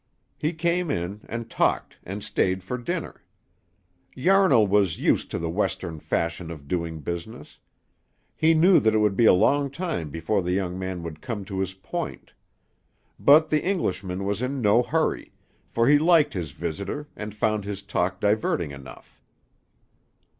He came in and talked and stayed for dinner. Yarnall was used to the Western fashion of doing business. He knew that it would be a long time before the young man would come to his point. But the Englishman was in no hurry, for he liked his visitor and found his talk diverting enough.